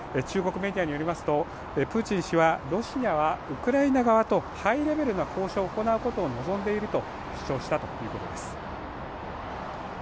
中国メディアによりますとプーチン氏はロシアはウクライナ側とハイレベルな交渉を行うことを望んでいると主張したということです。